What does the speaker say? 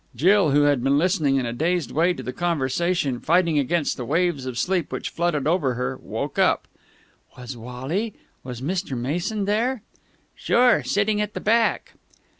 Jill, who had been listening in a dazed way to the conversation, fighting against the waves of sleep which flooded over her, woke up. "Was Wally was Mr. Mason there?" "Sure. Sitting at the back."